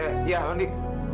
eh ya rondi